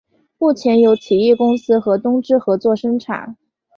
目前由奇异公司和东芝合作生产。